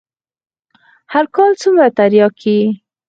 هر کال څومره ترياک کيي.